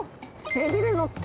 背びれの棘。